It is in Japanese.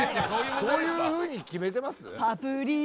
そういうふうに決めてます？